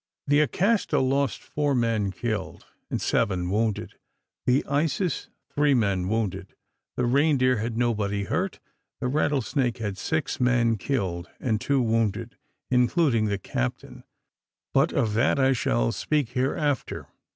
The Acasta lost four men killed, and seven wounded; the Isis, three men wounded; the Reindeer had nobody hurt; the Rattlesnake had six men killed, and two wounded, including the captain; but of that I shall speak hereafter.